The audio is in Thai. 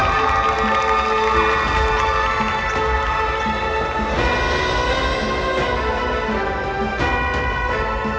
สวัสดีครับสวัสดีครับ